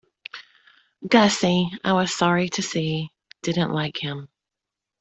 Gussie, I was sorry to see, didn't like him.